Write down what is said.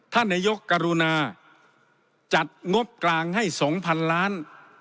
ท่านนายกกรุณาจัดงบกลางให้๒๐๐๐ล้าน